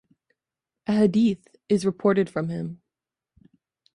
A hadith is reported from him.